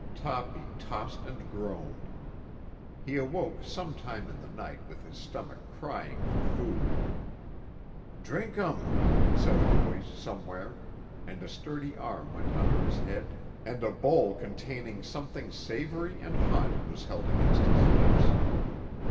Toppy tossed and groaned. He awoke some time in the night with his stomach crying for food. "Drink um," said a voice somewhere, and a sturdy arm went under his head and a bowl containing something savoury and hot was held against his lips.